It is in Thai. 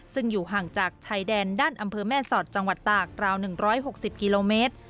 ซึ่งอยู่ห่างจากชายแดนด้านอำเภอแม่สอดจังหวัดตากราว๑๖๐กิโลเมตร